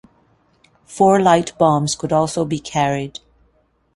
Four light bombs could also be carried.